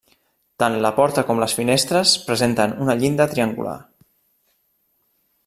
Tant la porta com les finestres presenten una llinda triangular.